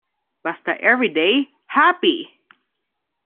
Basta Every Day, Happy!